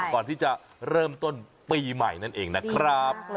ก่อนที่จะเริ่มต้นปีใหม่นั่นเองนะครับ